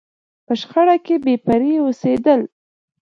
په شخړو کې بې پرې اوسېدل.